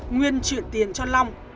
nguyên chuyển tiền cho long